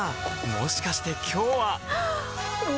もしかして今日ははっ！